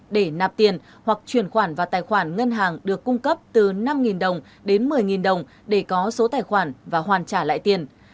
để nạp tiền hoặc chuyển khoản vào tài khoản ngân hàng được cung cấp từ năm đồng đến một mươi đồng để có số tài khoản và hoàn trả lại tiền